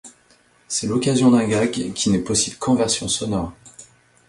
C'est l'occasion d'un gag qui n'est possible qu'en version sonore.